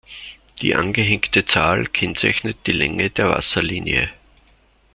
Die angehängte Zahl kennzeichnet die Länge der Wasserlinie.